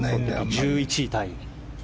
１１位タイ。